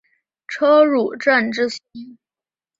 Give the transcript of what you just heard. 车汝震之兄。